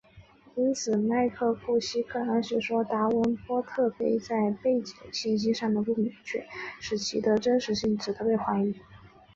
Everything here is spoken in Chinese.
因此麦克库西克暗示说达文波特碑在背景信息上的不明确性使得其真实性值得被怀疑。